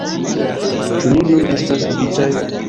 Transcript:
Ĉu ni nun estas kvitaj?